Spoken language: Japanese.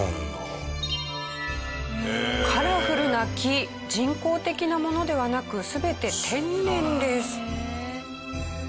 カラフルな木人工的なものではなく全て天然です。